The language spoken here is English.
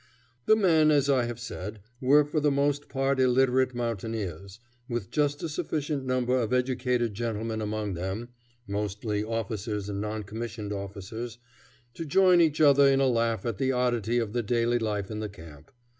The men, as I have said, were for the most part illiterate mountaineers, with just a sufficient number of educated gentlemen among them (mostly officers and non commissioned officers) to join each other in a laugh at the oddity of the daily life in the camp.